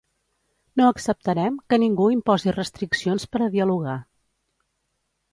No acceptarem que ningú imposi restriccions per a dialogar.